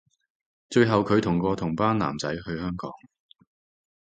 最後距同個同班男仔去香港